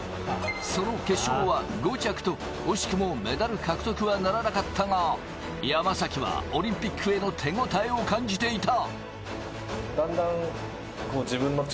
その決勝は５着と惜しくもメダル獲得はならなかったが、山崎はオリンピックへの手応えを感じていた。